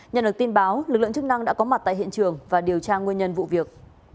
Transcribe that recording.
nhận được tin báo lực lượng chức năng đã có mặt tại hiện trường và điều tra nguyên nhân vụ việc